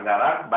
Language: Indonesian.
tidak tidak tidak